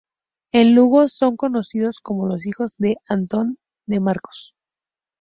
En Lugo son conocidos como los Hijos de Antón de Marcos.